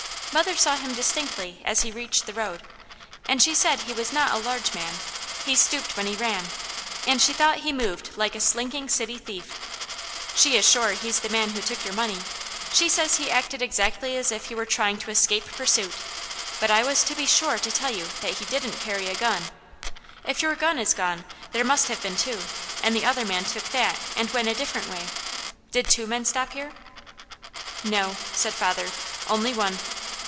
Mother saw him distinctly as he reached the road, and she said he was not a large man, he stooped when he ran, and she thought he moved like a slinking, city thief. She is sure he's the man who took your money; she says he acted exactly as if he were trying to escape pursuit; but I was to be SURE to tell you that he didn't carry a gun. If your gun is gone, there must have been two, and the other man took that and went a different way. Did two men stop here?" "No," said father. "Only one."